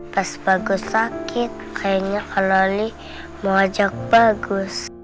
pas bagus sakit kayaknya kak loli mau ajak bagus